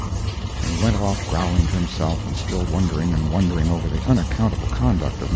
And he went off growling to himself and still wondering and wondering over the unaccountable conduct of No.